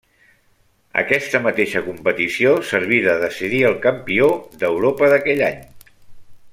Aquesta mateixa competició serví de decidir el campió d'Europa d'aquell any.